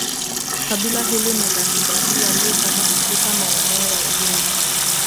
Kabila hili ni la kibantu waliopata kufika maeneo ya Udigo